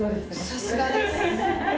さすがです。